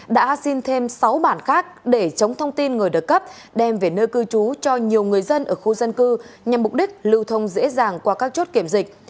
đã xin thêm sáu bản khác để chống thông tin người được cấp đem về nơi cư trú cho nhiều người dân ở khu dân cư nhằm mục đích lưu thông dễ dàng qua các chốt kiểm dịch